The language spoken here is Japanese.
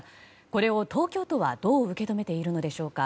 これを東京都は、どう受け止めているのでしょうか。